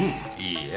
いいえ。